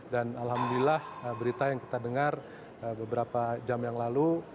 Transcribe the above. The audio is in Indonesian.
dan alhamdulillah berita yang kita dengar beberapa jam yang lalu